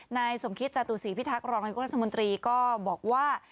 ในสมคิตจตุศรีพิทักษ์รองรัฐมนตรีก็บอกว่า